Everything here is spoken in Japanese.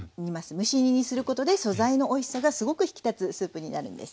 蒸し煮にすることで素材のおいしさがすごく引き立つスープになるんです。